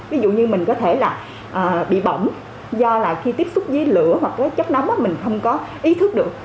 ví dụ như mình có thể là bị bỏng do là khi tiếp xúc với lửa hoặc cái chất nóng mình không có ý thức được